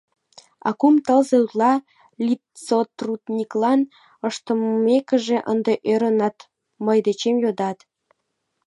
А кум тылзе утла литсотрудниклан ыштымекыже ынде ӧрынат, мый дечем йодат.